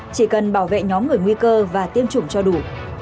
chỉ cần bảo vệ nhóm người nguy cơ và tiêm chủng cho đủ